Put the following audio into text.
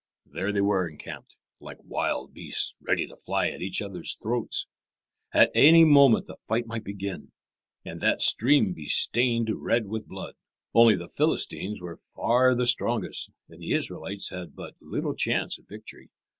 There they were encamped, like wild beasts ready to fly at each other's throats. At any moment the fight might begin, and that stream be stained red with blood. Only the Philistines were far the strongest, and the Israelites had but little chance of victory.